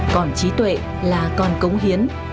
còn trí tuệ là con cống hiến